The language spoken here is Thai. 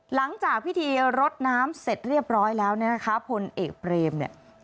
หลังจากพิธีรดน้ำเสร็จเรียบร้อยแล้วเนี่ยนะคะพลเอกเบรมเนี่ย